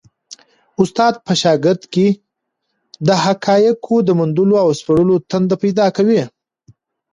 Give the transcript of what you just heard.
استاد په شاګرد کي د حقایقو د موندلو او سپړلو تنده پیدا کوي.